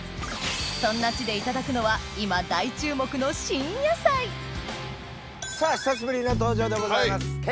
そんな地でいただくのは今大注目の新野菜さぁ久しぶりの登場でございます。